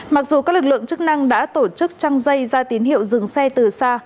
mặc dù các lực lượng chức năng đã tổ chức trăng dây ra tín hiệu dừng xe từ xa